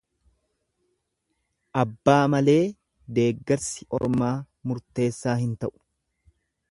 Abbaa malee deeggarsi ormaa murteessaa hin ta'u.